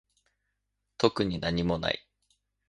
特になにもない